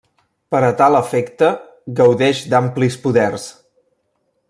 Per a tal efecte, gaudeix d'amplis poders.